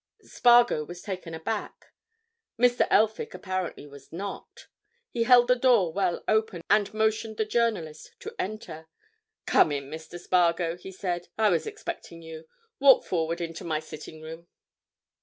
Spargo was taken aback: Mr. Elphick apparently was not. He held the door well open, and motioned the journalist to enter. "Come in, Mr. Spargo," he said. "I was expecting you. Walk forward into my sitting room."